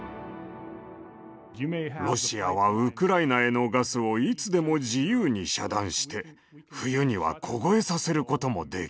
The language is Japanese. ロシアはウクライナへのガスをいつでも自由に遮断して冬には凍えさせることもできる。